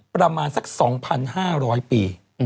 ประมาณสัก๒๕๐๐ปี